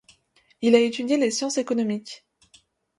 Il a étudié les sciences économiques.